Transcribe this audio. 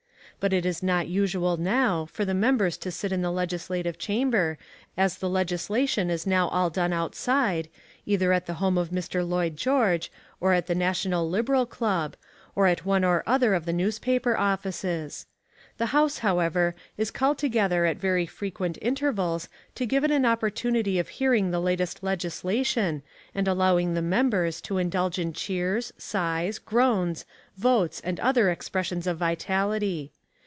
But it is not usual now for the members to sit in the legislative chamber as the legislation is now all done outside, either at the home of Mr. Lloyd George, or at the National Liberal Club, or at one or other of the newspaper offices. The House, however, is called together at very frequent intervals to give it an opportunity of hearing the latest legislation and allowing the members to indulge in cheers, sighs, groans, votes and other expressions of vitality.